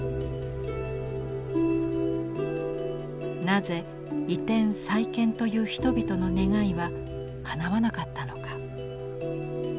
なぜ移転再建という人々の願いはかなわなかったのか。